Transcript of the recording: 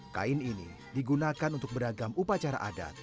kain ini digunakan untuk beragam upacara adat